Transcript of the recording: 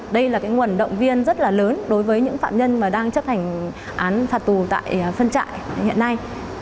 đây là nguồn động viên rất lớn đối với những phạm nhân đang chấp hành án phạt tù tại phân trại hiện nay